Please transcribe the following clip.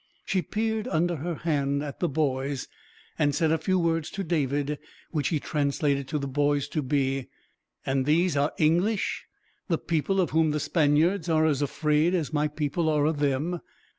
She peered under her hand at the boys, and said a few words to David, which he translated to the boys to be: "And these are English, the people of whom the Spaniards are as afraid as my people are of them?